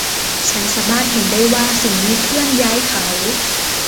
ฉันสามารถเห็นได้ว่าสิ่งนี้เคลื่อนย้ายเขา